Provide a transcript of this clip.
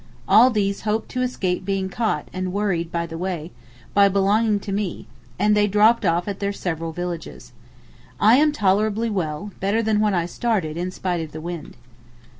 All these hoped to escape being caught and worried by the way, by belonging to me, and they dropped off at their several villages. I am tolerably well, better than when I started, in spite of the wind.